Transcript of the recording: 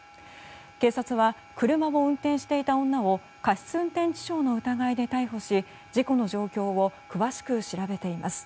警察は車を運転していた女を過失運転致傷の疑いで逮捕し事故の状況を詳しく調べています。